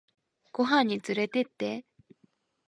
ご飯につれてって